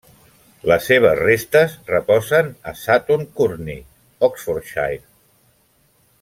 Les seves restes reposen a Sutton Courtenay, Oxfordshire.